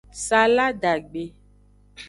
Saladagbe.